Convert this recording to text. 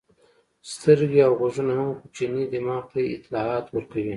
سترګې او غوږونه هم کوچني دماغ ته اطلاعات ورکوي.